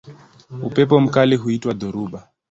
Upepo mkali huitwa dhoruba.